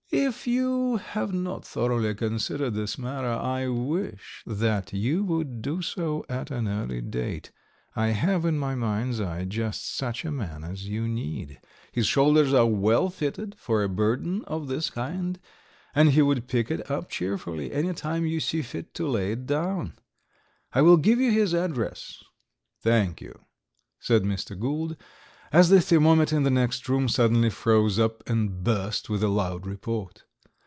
"If you have not thoroughly considered this matter I wish that you would do so at an early date. I have in my mind's eye just such a man as you need. His shoulders are well fitted for a burden of this kind, and he would pick it up cheerfully any time you see fit to lay it down. I will give you his address." "Thank you," said Mr. Gould, as the thermometer in the next room suddenly froze up and burst with a loud report.